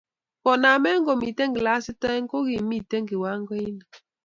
koname komito klasit oeng ko kimito kiwangoinik